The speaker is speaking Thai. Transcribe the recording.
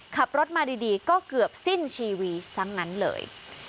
ขับรถมาดีก็เกือบสิ้นชีวิตซะงั้นเลย